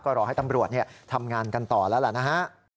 ก็รอให้ตำรวจทำงานกันต่อแล้วล่ะนะฮะ